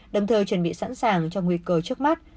đồng thời chuẩn bị sẵn sàng cho nguy cơ trước mắt